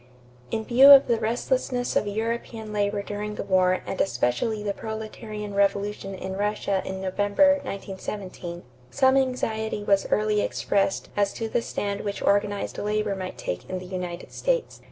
= In view of the restlessness of European labor during the war and especially the proletarian revolution in Russia in November, 1917, some anxiety was early expressed as to the stand which organized labor might take in the United States.